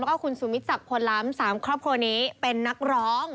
แล้วก็คุณสุมิตศักดิ์พลล้ำ๓ครอบครัวนี้เป็นนักร้อง